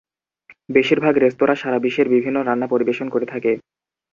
বেশিরভাগ রেস্তোরা সারা বিশ্বের বিভিন্ন রান্না পরিবেশন করে থাকে।